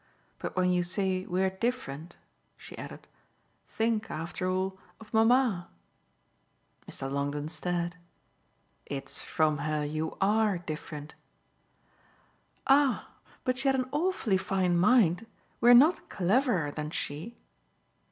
But when you say we're different," she added, "think, after all, of mamma." Mr. Longdon stared. "It's from her you ARE different." "Ah but she had an awfully fine mind. We're not cleverer than she."